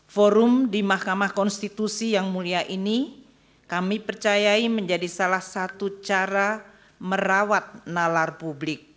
forum di mahkamah konstitusi yang mulia ini kami percayai menjadi salah satu cara merawat nalar publik